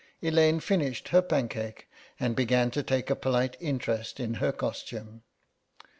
Elaine finished her pancake and began to take a polite interest in her costume.